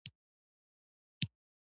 ژبې د افغانانو د فرهنګي پیژندنې برخه ده.